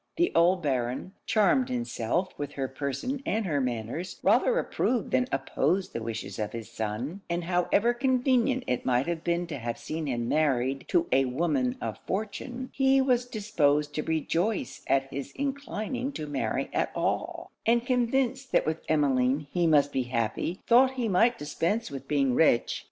The old Baron, charmed himself with her person and her manners, rather approved than opposed the wishes of his son; and however convenient it might have been to have seen him married to a woman of fortune, he was disposed to rejoice at his inclining to marry at all; and convinced that with Emmeline he must be happy, thought he might dispense with being rich.